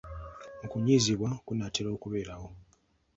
Okunyiizibwa kunaatera okubeerawo.